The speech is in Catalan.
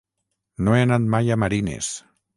No he anat mai a Marines.